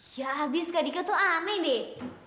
ya abis kak dika tuh aneh deh